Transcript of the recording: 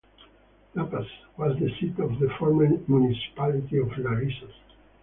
Lappas was the seat of the former municipality of Larissos.